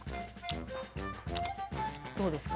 どうですか？